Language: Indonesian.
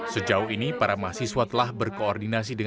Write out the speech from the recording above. sejauh ini para mahasiswa telah berkoordinasi